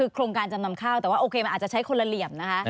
โครงการจำนำข้าวแต่ว่าโอเคมันอาจจะใช้คนละเหลี่ยมนะคะ